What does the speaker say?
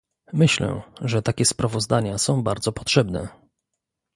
Myślę, że takie sprawozdania są bardzo potrzebne